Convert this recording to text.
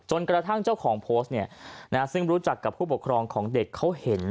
กระทั่งเจ้าของโพสต์ซึ่งรู้จักกับผู้ปกครองของเด็กเขาเห็น